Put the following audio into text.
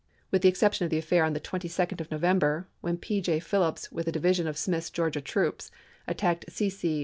With the exception of the affair on the 22d of November, when P. J. Phillips with a divi sion of Smith's Georgia troops attacked C. C.